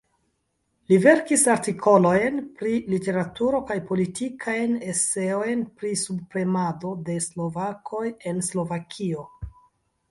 Li verkis artikolojn pri literaturo kaj politikajn eseojn pri subpremado de slovakoj en Slovakio.